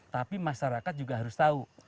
tapi masyarakat juga harus tahu